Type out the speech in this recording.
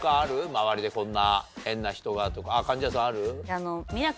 周りでこんな変な人が貫地谷さんある？